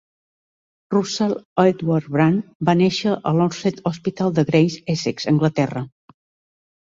Russell Edward Brand va néixer a l'Orsett Hospital de Grays, Essex, Anglaterra.